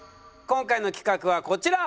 今回の企画はこちら。